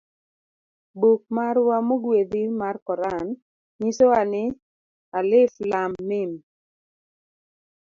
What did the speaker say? Buk marwa mogwedhi mar koran nyisowa ni ; 'Alif Lam Mym'.